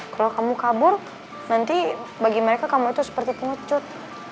kalau kamu kabur nanti bagi mereka kamu itu seperti pengecut